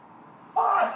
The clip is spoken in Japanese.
おい！